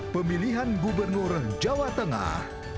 pemilihan gubernur jawa tengah